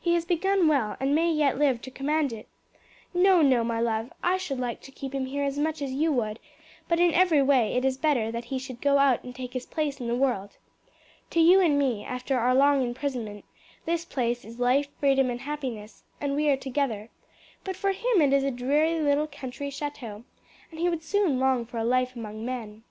He has begun well, and may yet live to command it. No, no, my love. I should like to keep him here as much as you would, but in every way it is better that he should go out and take his place in the world. To you and me, after our long imprisonment, this place is life, freedom, and happiness, and we are together; but for him it is a dreary little country chateau, and he would soon long for a life among men."